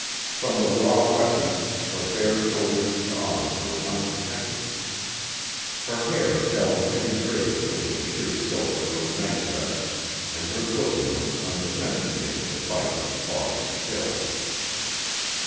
From the raw wetness, her bare shoulders and arms were unprotected. Her hair fell in heavy braids over the sheer silk of her night dress and her bosom was undefended against the bite of the fog's chill.